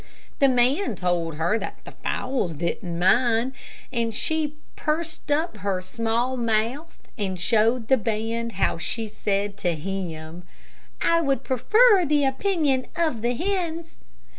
The man told her that the fowls didn't mind, and she pursed up her small mouth and showed the band how she said to him, "I would prefer the opinion of the hens."